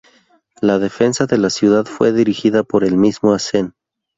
La defensa de la ciudad fue dirigida por el mismo Asen.